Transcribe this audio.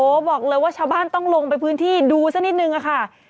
โอ้โหบอกเลยว่าชาวบ้านต้องลงไปพื้นที่ดูสักนิดนึงอะค่ะ